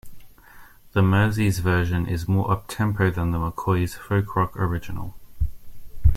The Merseys version is more up-tempo than The McCoys folk-rock original.